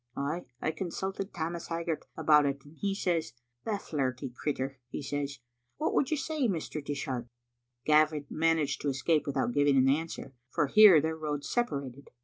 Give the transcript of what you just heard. Ay, I consulted Tammas Hag gart about it, and he says, *The flirty crittur,' he says. What would you say, Mr. Dishart?" Gavin managed to escape without giving an answer, for here their roads separated.